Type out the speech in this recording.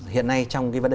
hiện nay trong cái vấn đề